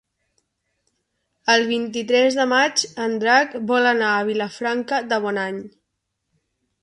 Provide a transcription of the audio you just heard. El vint-i-tres de maig en Drac vol anar a Vilafranca de Bonany.